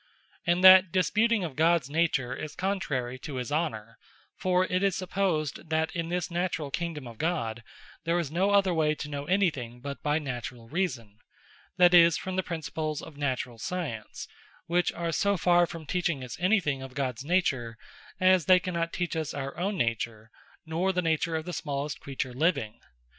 And that disputing of Gods nature is contrary to his Honour: For it is supposed, that in this naturall Kingdome of God, there is no other way to know any thing, but by naturall Reason; that is, from the Principles of naturall Science; which are so farre from teaching us any thing of Gods nature, as they cannot teach us our own nature, nor the nature of the smallest creature living.